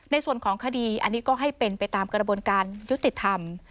ในส่วนของคดีอันนี้ก็ให้เป็นไปตามกระบวนการยุติธรรม